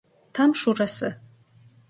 Tam şurası.